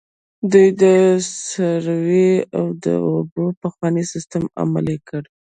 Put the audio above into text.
دوی د سروې او د اوبو پخوانی سیستم عملي کړ.